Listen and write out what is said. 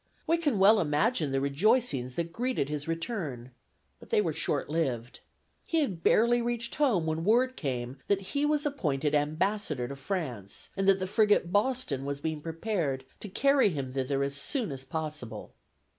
We can well imagine the rejoicings that greeted his return; but they were short lived. He had barely reached home when word came that he was appointed ambassador to France, and that the frigate Boston was being prepared to carry him thither as soon as possible.